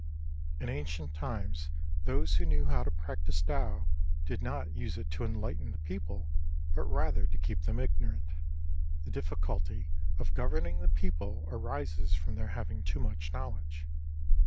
In ancient times those who knew how to practise Tao did not use it to enlighten the people, but rather to keep them ignorant. The difficulty of governing the people arises from their having too much knowledge.